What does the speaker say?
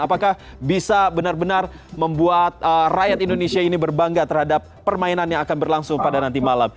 apakah bisa benar benar membuat rakyat indonesia ini berbangga terhadap permainan yang akan berlangsung pada nanti malam